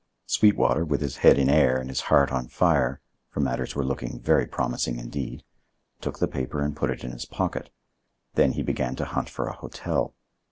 Sweetwater, with his head in air and his heart on fire—for matters were looking very promising indeed—took the paper and put it in his pocket; then he began to hunt for a hotel.